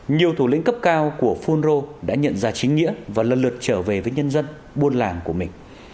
nhiều thủ lĩnh cấp cao của phun rô đã nhận ra chính nghĩa và lần lượt trở về với nhân dân buôn làng của mình